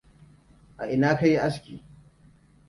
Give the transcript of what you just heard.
A ina ka yi aski?